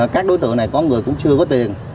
các đối tượng này có người cũng chưa có tiền